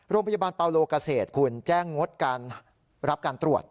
โรงพยาบาลปาโลกเกษตรคุณแจ้งงดการรับการตรวจ